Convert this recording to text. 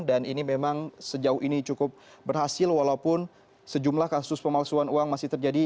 dan ini memang sejauh ini cukup berhasil walaupun sejumlah kasus pemalsuan uang masih terjadi